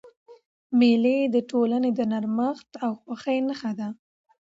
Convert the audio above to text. مېلې د ټولني د نرمښت او خوښۍ نخښه ده.